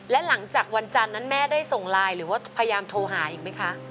และหลังจากวันจันทร์นั้นแม่ได้ส่งไลน์หรือว่าพยายามโทรหาอีกไหมคะ